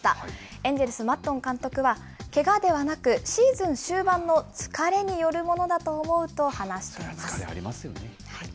エンジェルス、マッドン監督は、けがではなくシーズン終盤の疲れによるものだと思うと、話してい疲れありますね。